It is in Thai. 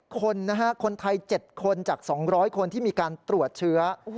คนนะฮะคนไทย๗คนจาก๒๐๐คนที่มีการตรวจเชื้อ